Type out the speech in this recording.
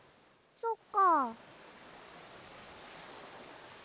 そっか。